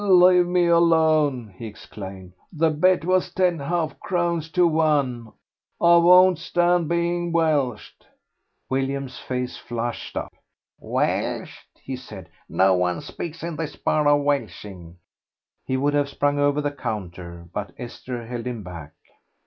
"Leave me alone," he exclaimed; "the bet was ten half crowns to one. I won't stand being welshed." William's face flushed up. "Welshed!" he said. "No one speaks in this bar of welshing." He would have sprung over the counter, but Esther held him back.